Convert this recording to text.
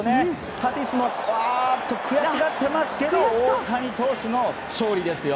タティスも悔しがってますけど大谷投手の勝利ですよ。